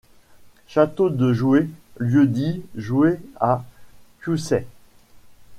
Château de Jouhé lieu-dit Jouhé à Pioussay.